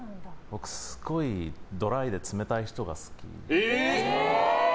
僕、すごいドライで冷たい人が好き。